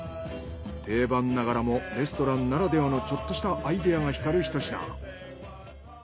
定番ながらもレストランならではのちょっとしたアイデアが光るひと品。